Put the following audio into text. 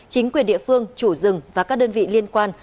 chính quyền địa phương chủ rừng và các đơn vị liên quan